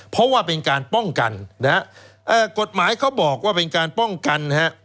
เพราะว่าเป็นการป้องกันนะฮะกฎหมายเขาบอกว่าเป็นการป้องกันนะฮะ